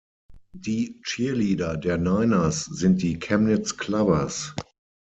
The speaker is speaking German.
Die Cheerleader der Niners sind die Chemnitz Clovers.